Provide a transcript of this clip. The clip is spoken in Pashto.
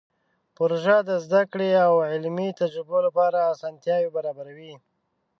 پروژه د زده کړې او علمي تجربو لپاره اسانتیاوې برابروي.